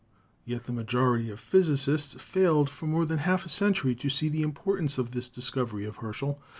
Yet the ma jority of physicists failed for more than half a century to see the importance of this discovery of Herschel.